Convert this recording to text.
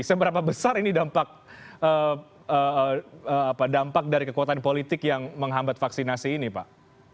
seberapa besar ini dampak dari kekuatan politik yang menghambat vaksinasi ini pak